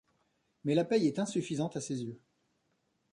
Mais la paye est insuffisante à ses yeux.